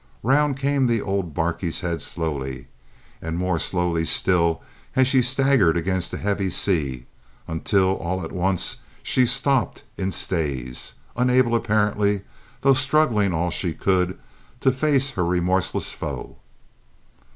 Round came the old barquey's head slowly, and more slowly still as she staggered against the heavy sea, until, all at once, she stopped in stays, unable apparently, though struggling all she could, to face her remorseless foe.